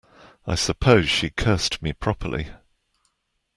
I suppose she cursed me properly?